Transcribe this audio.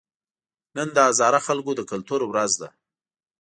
نن د هزاره خلکو د کلتور ورځ ده